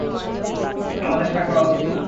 আমাদের এটা করা উচিত না।